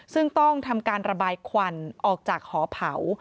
ซึ่งต้องทำการระบายควันออกจากหอเผา